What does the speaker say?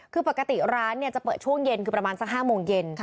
คือปกติร้านจะเปิดช่วงเย็นคือประมาณสัก๕โมงเย็น